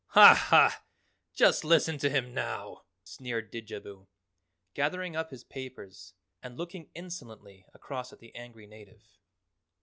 "Ha, ha! Just listen to him now," sneered Didjabo, gathering up his papers and looking insolently across at the angry native.